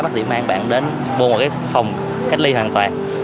bác sĩ mang bạn đến vô một cái phòng khách ly hoàn toàn